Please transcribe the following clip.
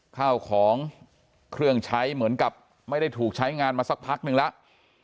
ข้าวของเครื่องใช้เหมือนกับไม่ได้ถูกใช้งานมาสักพักนึงแล้ว